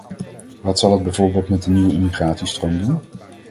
Wat zal het bijvoorbeeld met de nieuwe immigrantenstroom doen?